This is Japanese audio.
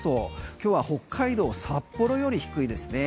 今日は北海道札幌より低いですね